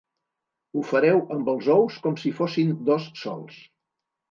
Ho fareu amb els ous com si fossin dos sols.